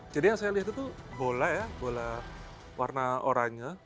jadi yang saya lihat itu bola ya bola warna oranya